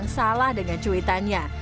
salah dengan cuitannya